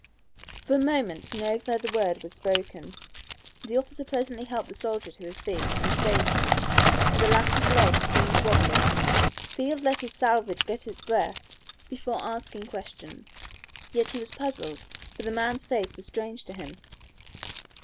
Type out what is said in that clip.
For a moment no further word was spoken. The officer presently helped the soldier to his feet and stayed him, for the latter's legs seemed wobbly. Field let his salvage get its breath before asking questions. Yet he was puzzled, for the man's face was strange to him.